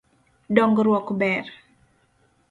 Dongruok ber.